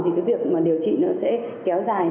thì cái việc điều trị nó sẽ kéo dài